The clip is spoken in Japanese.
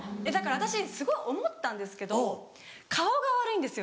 私すごい思ったんですけど顔が悪いんですよ。